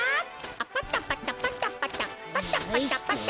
パタパタパタパタパタパタパタ。